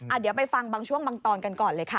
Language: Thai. เดี๋ยวไปฟังบางช่วงบางตอนกันก่อนเลยค่ะ